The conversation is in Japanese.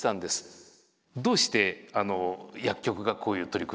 どうして薬局がこういう取り組みを始めたんですか？